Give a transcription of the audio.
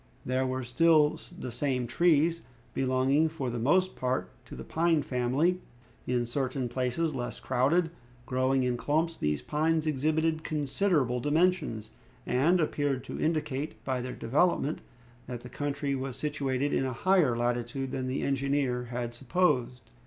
There were still the same trees, belonging, for the most part, to the pine family. In certain places, less crowded, growing in clumps, these pines exhibited considerable dimensions, and appeared to indicate, by their development, that the country was situated in a higher latitude than the engineer had supposed.